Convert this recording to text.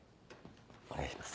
お願いします。